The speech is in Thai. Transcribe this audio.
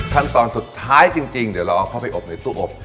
ขั้นตอนสุดท้ายจริงเดี๋ยวเราเอาเข้าไปอบในตู้อบ